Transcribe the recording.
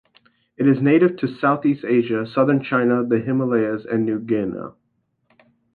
It is native to Southeast Asia, southern China, the Himalayas, and New Guinea.